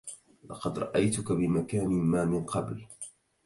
لقد رأيتك بمكان ما من قبل